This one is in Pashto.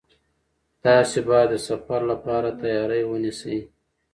تاسي باید د سفر لپاره تیاری ونیسئ.